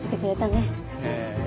へえ。